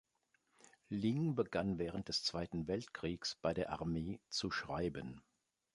Ling begann während des Zweiten Weltkriegs bei der Armee zu schreiben.